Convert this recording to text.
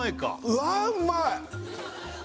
うわうまい！